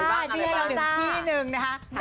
เอาเลยพี่แล้วหนึ่งเลยนะค่ะ